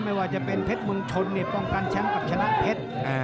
ไม่ว่าจะเป็นเพชรเมืองชนป้องกันแชมป์กับชนะเพชร